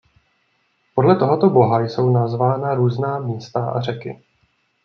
Podle tohoto boha jsou nazvána různá místa a řeky.